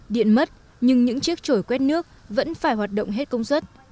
điện mất nhưng những chiếc trổi quét nước vẫn phải hoạt động hết công suất